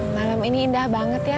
malam ini indah banget ya